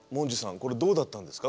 これどうだったんですか？